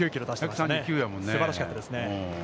すばらしかったですね。